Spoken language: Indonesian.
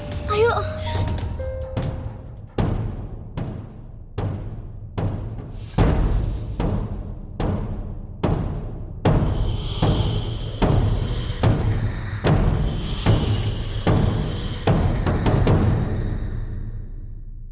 kita kebergok enggak